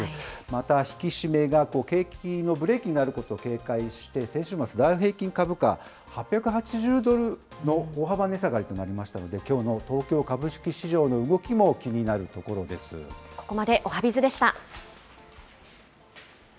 また引き締めが景気のブレーキになることを警戒して、先週末、ダウ平均株価、８８０ドルの大幅値下がりとなりましたので、きょうの東京株式市場の動きも気になるここまでおはＢｉｚでした。